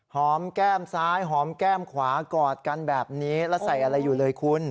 แก้มซ้ายหอมแก้มขวากอดกันแบบนี้แล้วใส่อะไรอยู่เลยคุณ